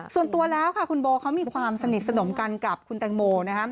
ส่วนตัวแล้วค่ะคุณโบเขามีความสนิทสนมกันกับคุณแตงโมนะครับ